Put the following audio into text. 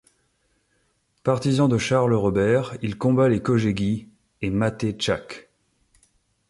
Partisan de Charles Robert il combat les Kőszegi et Máté Csák.